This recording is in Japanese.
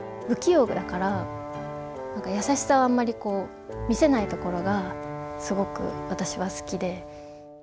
不器用だから優しさはあんまり見せないところがすごく私は好きで。